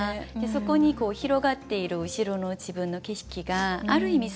そこに広がっている後ろの自分の景色がある意味